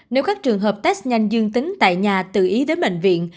nếu các trường hợp test nhanh dương tính tại nhà tự ý đến bệnh viện